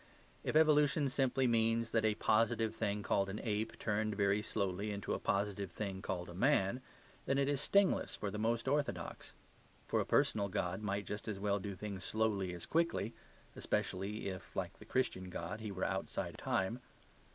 If evolution simply means that a positive thing called an ape turned very slowly into a positive thing called a man, then it is stingless for the most orthodox; for a personal God might just as well do things slowly as quickly, especially if, like the Christian God, he were outside time.